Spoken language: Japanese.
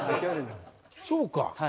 そうか。